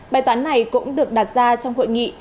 bài toán này cũng được đặt ra trong hội nghị